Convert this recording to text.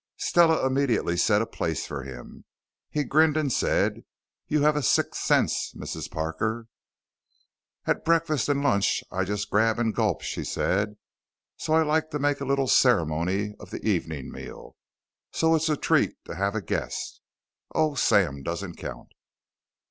Stella immediately set a place for him. He grinned and said, "You have a sixth sense, Mrs. Parker." "At breakfast and lunch I just grab and gulp," she said, "so I like to make a little ceremony of the evening meal. So it's a treat to have a guest oh, Sam doesn't count."